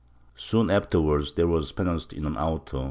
^ Soon afterwards there v/as penanced in an auto.